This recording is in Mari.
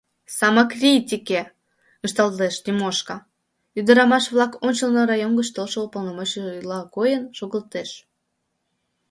— Самокритике! — ышталеш Тимошка, ӱдырамаш-влак ончылно район гыч толшо уполномоченныйла койын шогылтеш.